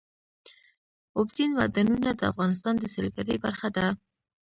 اوبزین معدنونه د افغانستان د سیلګرۍ برخه ده.